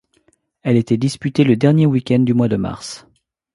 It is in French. Elle était disputée le dernier week-end du mois de mars.